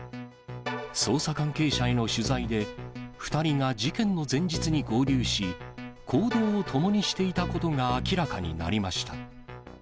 捜査関係者への取材で、２人が事件の前日に合流し、行動を共にしていたことが明らかになりました。